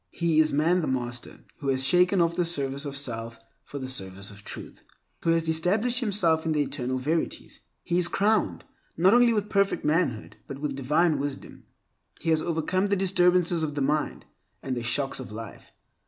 He is man the master who has shaken off the service of self for the service of Truth, who has established himself in the Eternal Verities. He is crowned, not only with perfect manhood, but with divine wisdom. He has overcome the disturbances of the mind and the shocks of life.